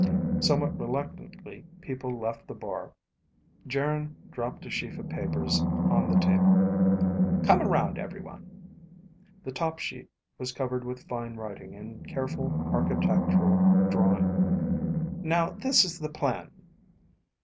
Somewhat reluctantly people left the bar. Geryn dropped a sheaf of papers on the table. "Come around, everyone." The top sheet was covered with fine writing and careful architectural drawing. "Now this is the plan."